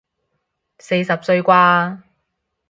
四十歲啩